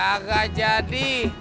ada nggak jadi